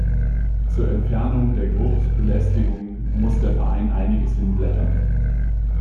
Zur Entfernung der Geruchsbelästigung muss der Verein einiges hinblättern.